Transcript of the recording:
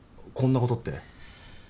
「こんなこと」って？